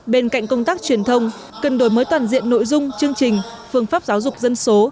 bên cạnh công tác truyền thông cần đổi mới toàn diện nội dung chương trình phương pháp giáo dục dân số